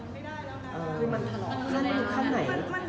เพราะนักของเสถียดทุกท่าที